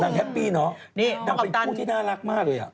นางแฮปปี้เนอะนางเป็นผู้ที่น่ารักมากเลย